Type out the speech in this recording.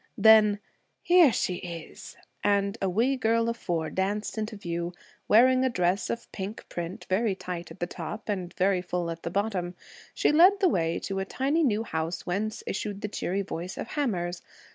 Then, 'Here she is!' and a wee girl of four danced into view, wearing a dress of pink print, very tight at the top and very full at the bottom. She led the way to a tiny new house whence issued the cheery voice of hammers.